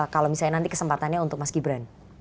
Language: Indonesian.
kalau misalnya nanti kesempatannya untuk mas gibran